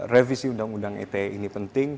revisi undang undang ite ini penting